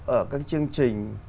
ở các chương trình